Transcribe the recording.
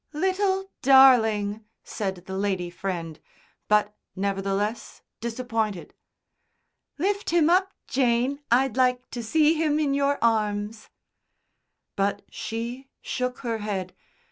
"Little darling," said the lady friend, but nevertheless disappointed. "Lift him up, Jane. I'd like to see him in your arms." But she shook her head.